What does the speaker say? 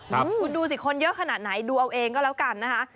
คุณดูสิคนเยอะขนาดไหนดูเอาเองก็แล้วกันนะคะ